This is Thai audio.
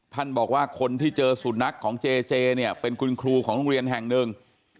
บอกว่าคนที่เจอสุนัขของเจเจเนี่ยเป็นคุณครูของโรงเรียนแห่งหนึ่ง